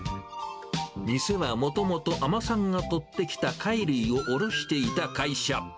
店はもともと海女さんが取ってきた貝類を卸していた会社。